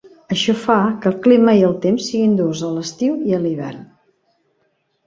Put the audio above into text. Això fa que el clima i el temps siguin durs a l'estiu i a l'hivern.